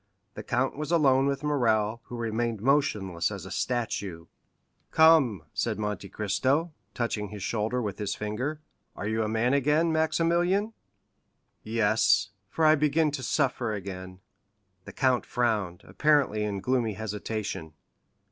The count was alone with Morrel, who remained motionless as a statue. "Come," said Monte Cristo, touching his shoulder with his finger, "are you a man again, Maximilian?" "Yes; for I begin to suffer again." The count frowned, apparently in gloomy hesitation.